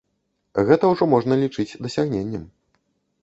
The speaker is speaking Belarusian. Гэта ўжо можна лічыць дасягненнем.